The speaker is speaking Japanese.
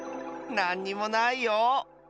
なんにもないよ！